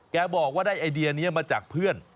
บอกว่าได้ไอเดียนี้มาจากเพื่อน